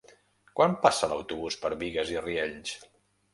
Quan passa l'autobús per Bigues i Riells?